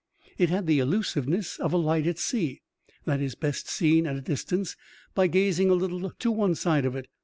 It had the elusiveness of a light at sea, that is best seen (at a distance) by gazing a little on one side of it.